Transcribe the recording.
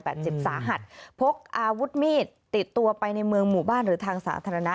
เจ็บสาหัสพกอาวุธมีดติดตัวไปในเมืองหมู่บ้านหรือทางสาธารณะ